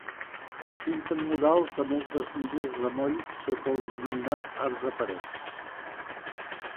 Es pinten murals a moltes milles de moll sota el denominat "art de paret".